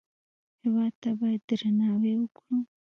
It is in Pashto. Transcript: هېواد ته باید درناوی وکړو